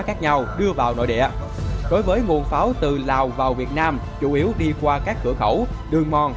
khác nhau đưa vào nội địa đối với nguồn pháo từ lào vào việt nam chủ yếu đi qua các cửa khẩu đường mòn